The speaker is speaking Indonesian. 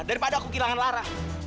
daripada aku kehilangan lara